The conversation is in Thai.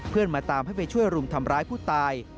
มาตามให้ไปช่วยรุมทำร้ายผู้ตาย